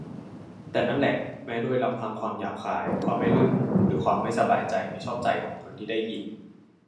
แต่นั่นแหละ แม้โดยลำพังความหยาบคาย ความไม่รื่นหู หรือความไม่สบายใจไม่ชอบใจของคนที่ได้ยิน